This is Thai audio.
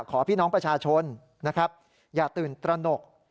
ขอพี่น้องประชาชนอย่าตื่นตระหนก